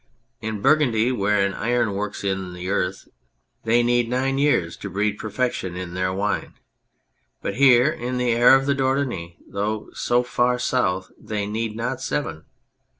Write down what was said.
In Burgundy, where an iron works in the earth, they need nine years to breed per fection in their wine, but here, in the air of the Dordogne, though so far south, they need not seven.